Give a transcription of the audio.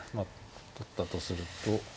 取ったとすると。